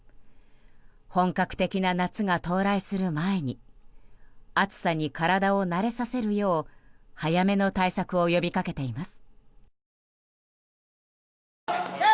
本格的な夏が到来する前に暑さに体を慣れさせるよう早めの対策を呼び掛けています。